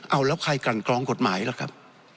เอาแล้วใครกันกรองกฎหมายล่ะครับ